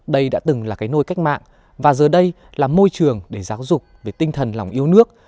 đây đã từng là cái nôi cách mạng và giờ đây là môi trường để giáo dục về tinh thần lòng yêu nước